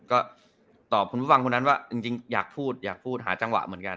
ก็ตอบคุณผู้ฟังคนนั้นว่าจริงอยากพูดอยากพูดหาจังหวะเหมือนกัน